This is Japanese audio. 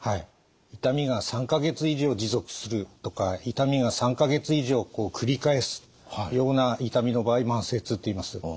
痛みが３か月以上持続するとか痛みが３か月以上繰り返すような痛みの場合慢性痛といいます。